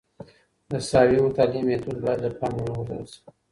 د ساحوي مطالعې میتود باید له پامه ونه غورځول سي.